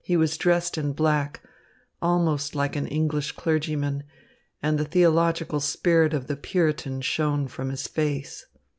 He was dressed in black, almost like an English clergyman, and the theological spirit of the Puritan shone from his face.